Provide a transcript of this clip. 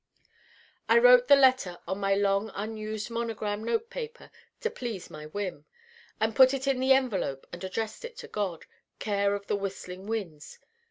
I wrote the Letter on my long unused monogram note paper to please my whim, and put it in the envelope and addressed it to God, care of the Whistling Winds.